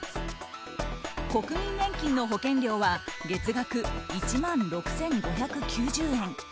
国民年金の保険料は月額１万６５９０円。